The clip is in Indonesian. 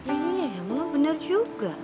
iya iya mama bener juga